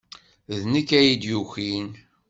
D nekk ay d-yukin.